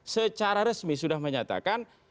secara resmi sudah menyatakan